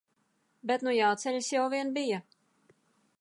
Bet nu jāceļas jau vien bija.